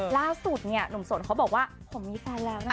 ล่าสุดเนี่ยหนุ่มสนเขาบอกว่าผมมีแฟนแล้วนะ